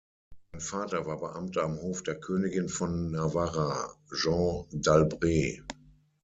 Sein Vater war Beamter am Hof der Königin von Navarra, Jeanne d'Albret.